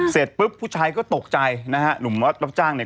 เสร็จปุ๊บผู้ชายก็ตกใจนะฮะหนุ่มวัดรับจ้างเนี่ย